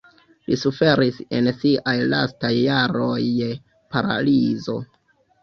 Li suferis en siaj lastaj jaroj je paralizo.